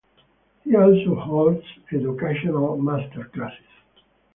He also holds educational masterclasses.